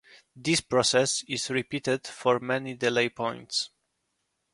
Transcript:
This process is repeated for many delay points.